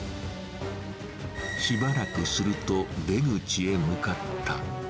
しばらくすると出口へ向かった。